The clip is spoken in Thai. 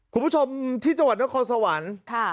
คุณผู้ชมที่จังหวัดนครสวรรค์